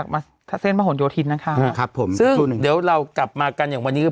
มาถ้าเส้นพระหลโยธินนะคะครับผมซึ่งเดี๋ยวเรากลับมากันอย่างวันนี้คือ